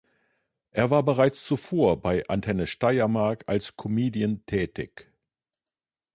Er war bereits zuvor bei Antenne Steiermark als Comedian tätig.